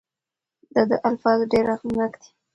د ده الفاظ ډېر اغیزناک دي.